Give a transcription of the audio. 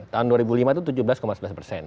tahun dua ribu lima itu tujuh belas sebelas persen